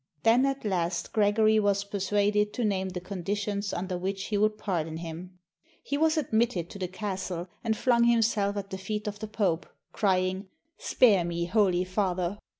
Then at last Gregory was persuaded to name the conditions under which he would pardon him. He was admitted to the castle, and flung himself at the feet of the Pope, crying, "Spare me. Holy Father!"